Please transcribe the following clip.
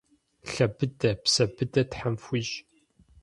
Лъэ быдэ, псэ быдэ Тхьэм фхуищӏ!